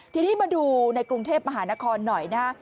ทีนี้มาดูในกรุงเทพมหานครหน่อยนะฮะ